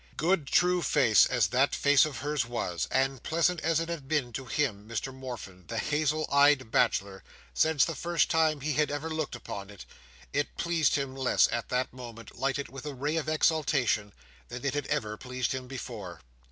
Good, true face, as that face of hers was, and pleasant as it had been to him, Mr Morfin, the hazel eyed bachelor, since the first time he had ever looked upon it, it pleased him less at that moment, lighted with a ray of exultation, than it had ever pleased him before.